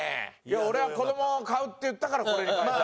俺は子供も買うって言ったからこれを書いた。